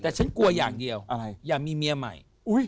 แต่ฉันกลัวอย่างเดียวอะไรอย่ามีเมียใหม่